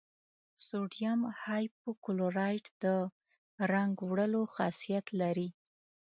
سوډیم هایپو کلورایټ د رنګ وړلو خاصیت لري.